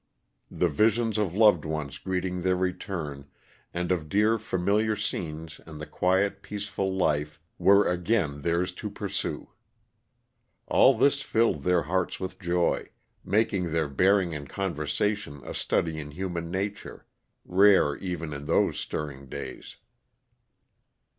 The visions of loved ones greeting their return, and of dear familiar scenes and the quiet peaceful life were again theirs to pursue. All this filled their hearts with joy, making their bearing and conversation a study in human nature, rare even in those stirring days.